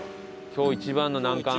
今日一番の難関。